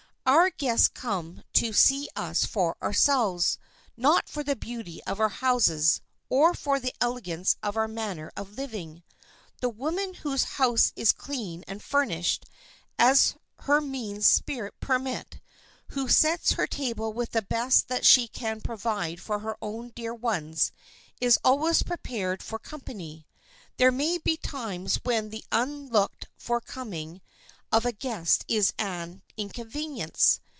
Our guests come to see us for ourselves, not for the beauty of our houses, or for the elegance of our manner of living. The woman whose house is clean and furnished as her means permit, who sets her table with the best that she can provide for her own dear ones, is always prepared for company. There may be times when the unlooked for coming of a guest is an inconvenience.